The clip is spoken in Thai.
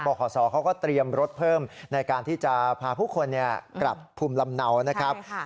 ขอสอเขาก็เตรียมรถเพิ่มในการที่จะพาผู้คนกลับภูมิลำเนานะครับ